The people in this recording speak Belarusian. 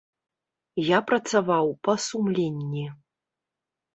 Я працаваў па сумленні.